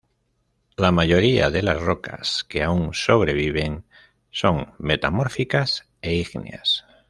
La mayoría de las rocas que aún sobreviven son metamórficas e ígneas.